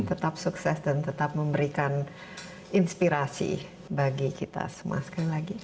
tetap sukses dan tetap memberikan inspirasi bagi kita semua sekali lagi